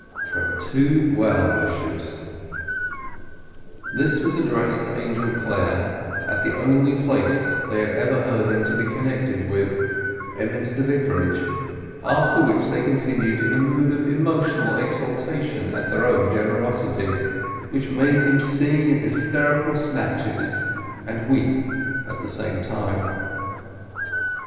From Two Well Wishers This was addressed to Angel Clare at the only place they had ever heard him to be connected with, Emminster Vicarage; after which they continued in a mood of emotional exaltation at their own generosity, which made them sing in hysterical snatches and weep at the same time.